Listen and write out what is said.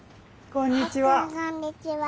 こんにちは。